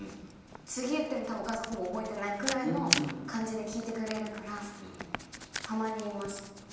次言ってもお母さんほぼ覚えてないくらいの感じで聞いてくれるからたまに言います。